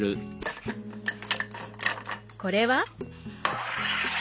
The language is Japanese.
これは？